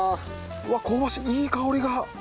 うわあ香ばしいいい香りが。